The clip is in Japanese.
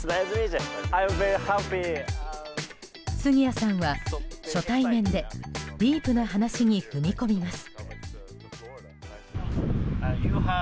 杉谷さんは初対面でディープな話に踏み込みます。